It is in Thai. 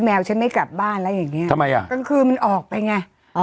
แววฉันไม่กลับบ้านแล้วอย่างเงี้ทำไมอ่ะกลางคืนมันออกไปไงอ๋อ